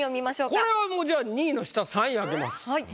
これはもうじゃあ２位の下３位開けます。